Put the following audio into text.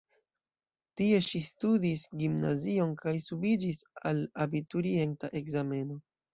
Tie ŝi studis gimnazion kaj subiĝis al abiturienta ekzameno.